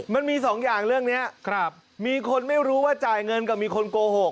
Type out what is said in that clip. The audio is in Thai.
มันมีสองอย่างเรื่องนี้มีคนไม่รู้ว่าจ่ายเงินกับมีคนโกหก